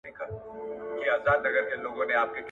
دوی بايد يو د بل هغه کړني وزغمي، چي د دوی غصه پاروي.